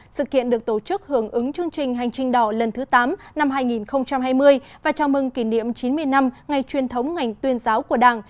sự kiện được tổ chức hưởng ứng chương trình hành trình đỏ lần thứ tám năm hai nghìn hai mươi và chào mừng kỷ niệm chín mươi năm ngày truyền thống ngành tuyên giáo của đảng